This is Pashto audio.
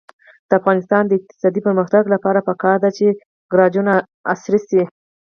د افغانستان د اقتصادي پرمختګ لپاره پکار ده چې ګراجونه عصري شي.